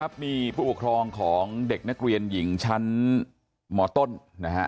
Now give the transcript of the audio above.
ครับมีผู้ปกครองของเด็กนักเรียนหญิงชั้นหมอต้นนะฮะ